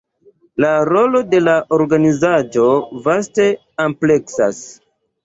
La rolo de la organizaĵo vaste ampleksas.